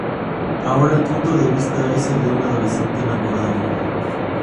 Ahora el punto de vista es el de un adolescente enamorado.